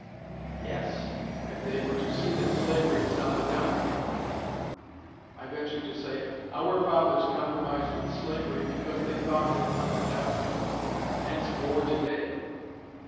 'Yes, if they were to see that slavery was on the down hill.' I ventured to say: 'Our fathers compromised with slavery because they thought it on the down hill; hence war to day.'